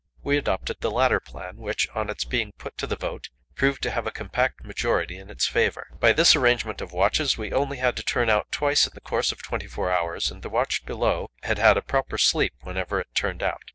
We adopted the latter plan, which, on its being put to the vote, proved to have a compact majority in its favour. By this arrangement of watches we only had to turn out twice in the course of twenty four hours, and the watch below had had a proper sleep whenever it turned out.